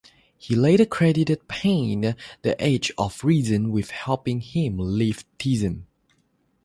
He later credited Paine's "The Age of Reason" with helping him leave theism.